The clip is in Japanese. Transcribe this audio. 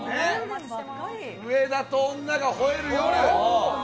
上田と女が吠える夜。